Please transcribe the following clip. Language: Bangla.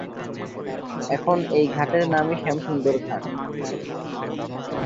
এখন এই ঘাটের নামই শ্যামসুন্দর ঘাট।